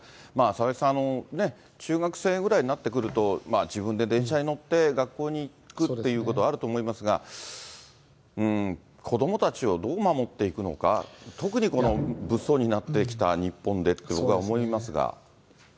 佐々木さん、中学生ぐらいになってくると、自分で電車に乗って、学校に行くっていうことはあると思いますが、子どもたちをどう守っていくのか、特にこの物騒になってきた日本でって、僕は思いますが。